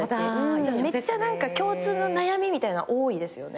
めっちゃ共通の悩みみたいな多いですよね。